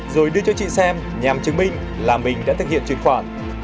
rồi đưa cho chị xem nhằm chứng minh là mình đã thực hiện truyền khoản